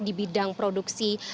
di bidang produksi